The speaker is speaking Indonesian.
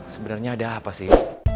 sebenarnya ada apa sih